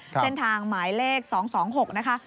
เช่นทางหมายเลข๒๒๖นะคะ